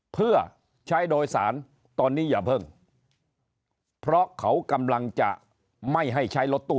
เพื่อใช้โดยสารตอนนี้อย่าเพิ่งเพราะเขากำลังจะไม่ให้ใช้รถตู้